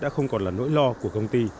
đã không còn là nỗi lo của công ty